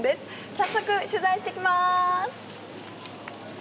早速、取材してきます。